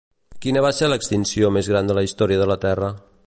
Quina va ser l'extinció més gran de la història de la Terra?